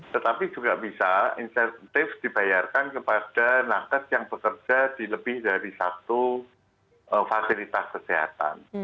tetapi juga bisa insentif dibayarkan kepada nakes yang bekerja di lebih dari satu fasilitas kesehatan